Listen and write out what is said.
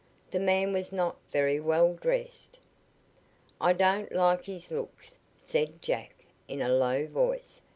The man was not very well dressed. "I don't like his looks," said Jack in a low voice.